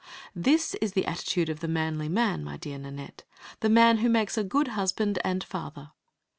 This is the attitude of the manly man, my dear Nanette, the man who makes the good husband and father.